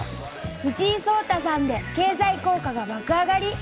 藤井聡太さんで経済効果が爆上がり。